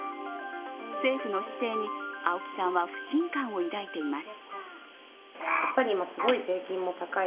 政府の姿勢に青木さんは不信感を抱いています